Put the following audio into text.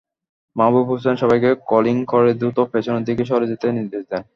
মাহবুব হোসেন সবাইকে ক্রলিং করে দ্রুত পেছনের দিকে সরে যেতে নির্দেশ দেন।